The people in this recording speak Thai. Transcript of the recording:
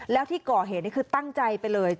แล้วที่ก่อเหตุนี่คือตั้งใจไปเลย